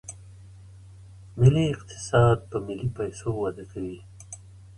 ملي اقتصاد په ملي پیسو وده کوي.